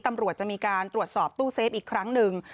ตำรวจจะมีการตรวจสอบตู้เซฟอีกครั้งหนึ่ง